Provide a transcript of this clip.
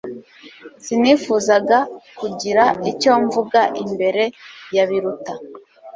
Sinifuzaga kugira icyo mvuga imbere ya Biruta